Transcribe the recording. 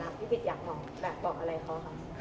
แต่พี่พิธร์อยากบอกอะไรเพราะคะ